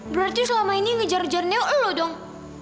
berarti selama ini ngejar njar niu lo dong